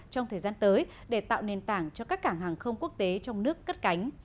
trong thời gian tới để tạo nền tảng cho các cảng hàng không quốc tế trong nước cất cánh